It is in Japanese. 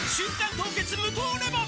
凍結無糖レモン」